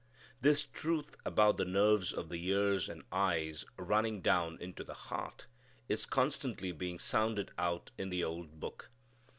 This truth about the nerves of the ears and eyes running down into the heart is constantly being sounded out in the old Book.